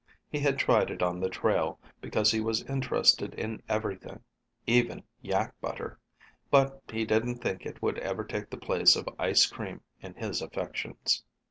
He had tried it on the trail, because he was interested in everything, even yak butter. But he didn't think it would ever take the place of ice cream in his affections.